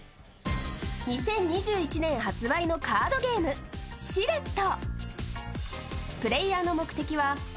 ２０２１年発売のカードゲーム「シレット」。